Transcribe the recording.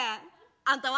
あんたは？